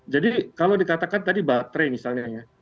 jadi kalau dikatakan tadi baterai misalnya ya